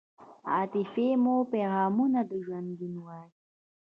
عاطفې مو پیغامونه د ژوندون وای